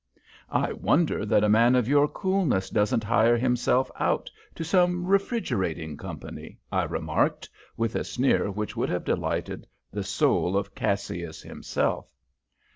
"I wonder that a man of your coolness doesn't hire himself out to some refrigerating company," I remarked, with a sneer which would have delighted the soul of Cassius himself.